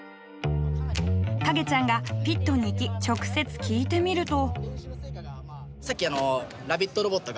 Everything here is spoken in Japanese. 影ちゃんがピットに行き直接聞いてみると。